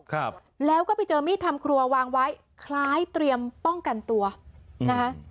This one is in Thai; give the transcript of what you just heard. ครับแล้วก็ไปเจอมีดทำครัววางไว้คล้ายเตรียมป้องกันตัวนะคะ